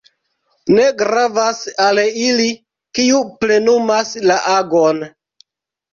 Ne gravas al ili, kiu plenumas la agon.